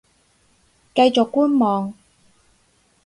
繼續觀望